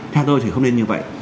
theo tôi thì không nên như vậy